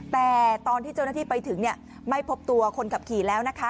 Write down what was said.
แต่ตอนที่เจ้าหน้าที่ไปถึงไม่พบตัวคนขับขี่แล้วนะคะ